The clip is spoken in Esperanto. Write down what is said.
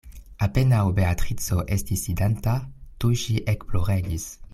Apenaŭ Beatrico estis sidanta, tuj ŝi ekploregis.